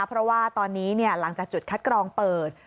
เพราะว่าตอนนี้หลังจากจุดคัดกรองเปิด